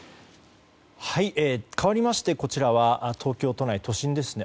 かわりまして、こちらは東京都内、都心ですね。